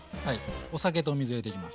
お酒とお水入れていきます。